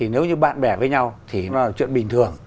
nếu như bạn bè với nhau thì nó là chuyện bình thường